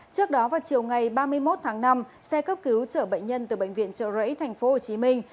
trước đó vào chiều ngày ba mươi một tháng năm xe cấp cứu chở bệnh nhân từ bệnh viện trợ rẫy thành phố hồ chí minh